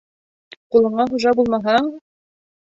Ҡулыңа хужа булмаһаң...